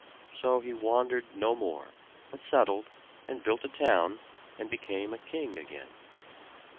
So he wandered no more; but settled, and built a town, and became a king again.